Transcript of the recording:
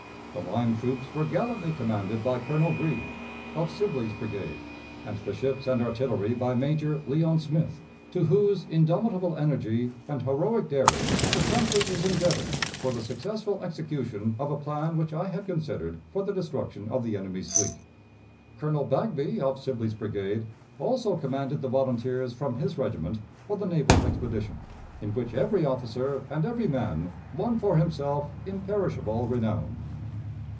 The line troops were gallantly commanded by Colonel Green, of Sibley's brigade, and the ships and artillery by Major Leon Smith, to whose indomitable energy and heroic daring the country is indebted for the successful execution of a plan which I had considered for the destruction of the enemy's fleet. Colonel Bagby, of Sibley's brigade, also commanded the volunteers from his regiment for the naval expedition, in which every officer and every man won for himself imperishable renown.